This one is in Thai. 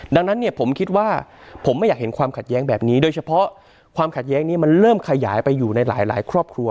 ดังนั้นเนี่ยผมคิดว่าผมไม่อยากเห็นความขัดแย้งแบบนี้โดยเฉพาะความขัดแย้งนี้มันเริ่มขยายไปอยู่ในหลายครอบครัว